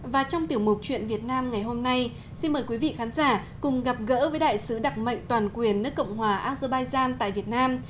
và trong tiểu mục chuyện việt nam ngày hôm nay xin mời quý vị khán giả cùng gặp gỡ với đại sứ đặc mệnh toàn quyền nước cộng hòa azerbaijan tại việt nam